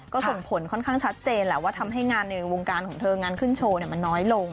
ก็ส่งผลค่อนข้างชัดเจนแหละว่าทำให้งานในวงการของเธองานขึ้นโชว์มันน้อยลง